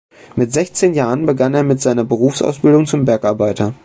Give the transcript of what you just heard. Mit sechzehn Jahren begann er mit einer Berufsausbildung zum Bergarbeiter.